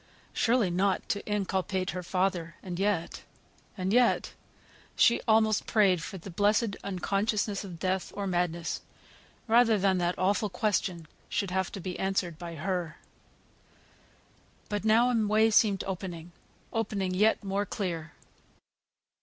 Surely not to inculpate her father and yet and yet she almost prayed for the blessed unconsciousness of death or madness, rather than that awful question should have to be answered by her. But now a way seemed opening, opening yet more clear.